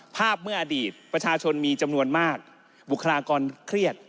ภาพเมื่ออดีตประชาชนมีจำนวนมากบุคลากรเครียด